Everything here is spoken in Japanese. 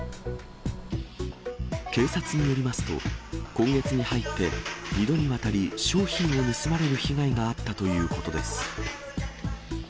警察によりますと、今月に入って、２度にわたり商品を盗まれる被害があったということです。